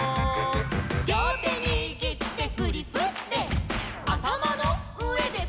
「りょうてにぎってフリフレ」「あたまのうえでフリフレ」